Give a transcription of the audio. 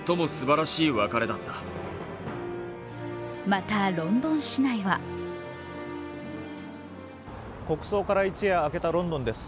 また、ロンドン市内は国葬から一夜明けたロンドンです。